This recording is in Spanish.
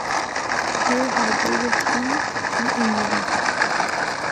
There are Burger Kings in Indiana.